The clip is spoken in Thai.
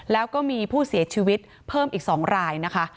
แล้วก็มีผู้เสียชีวิตเพิ่มอีก๒รายนะคะ